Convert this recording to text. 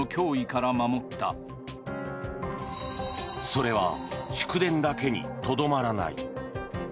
それは祝電だけにとどまらない。